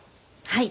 はい。